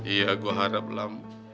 iya gue harap lam